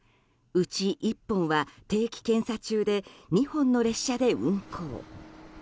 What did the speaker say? うち１本は定期検査中で２本の列車で運行。